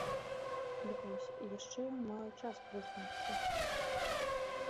Дык вось, яшчэ ён мае час прызнацца.